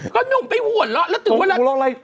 ก็หนุ่มไปหวนหลอก